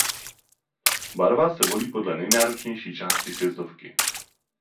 Barva se volí podle nejnáročnější části sjezdovky.